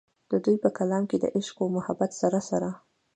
د دوي پۀ کلام کښې د عشق و محبت سره سره